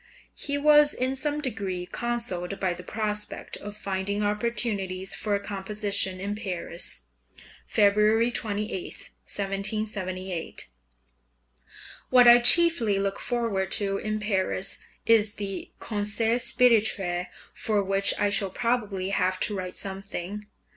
He was in some degree consoled by the prospect of finding opportunities for composition in Paris (February 28, 1778) What I chiefly look forward to in Paris is the Concert Spirituel, for which I shall probably have to write something.